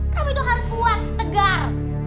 kami itu harus kuat tegar